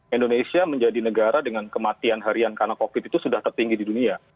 indonesia menjadi negara dengan kematian harian karena covid itu sudah tertinggi di dunia